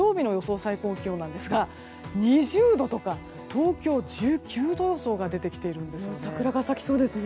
最高気温なんですが２０度とか、東京、１９度予想が出てきているんですね。